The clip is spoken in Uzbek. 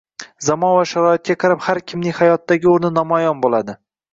Zamon va sharoitga qarab har kimning hayotdagi o’rni namoyon bo’ladi